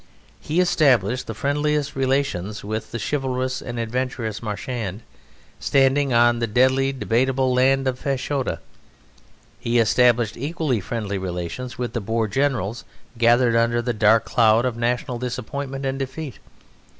He established the friendliest relations with the chivalrous and adventurous Marchand, standing on the deadly debatable land of Fashoda. He established equally friendly relations with the Boer generals, gathered under the dark cloud of national disappointment and defeat.